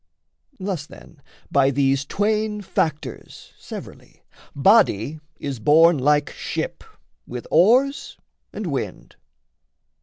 Thus then by these twain factors, severally, Body is borne like ship with oars and wind.